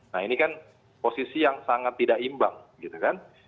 nah ini kan posisi yang sangat tidak imbang gitu kan